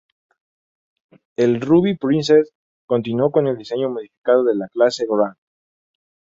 El Ruby Princess continuó con el diseño modificado de la clase "Grand".